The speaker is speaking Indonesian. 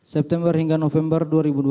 september hingga november dua ribu dua puluh